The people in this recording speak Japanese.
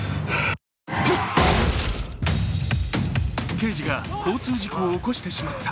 刑事が交通事故を起こしてしまった。